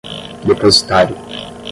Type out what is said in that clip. depositário